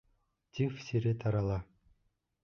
Тиф сире тарала.